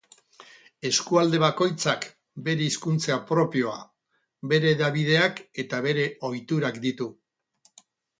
Eskualde bakoitzak bere hizkuntza propioa, bere hedabideak eta bere ohiturak ditu.